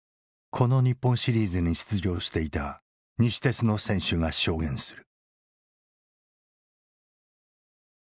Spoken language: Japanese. この日本シリーズに出場していた西鉄の選手が証言する。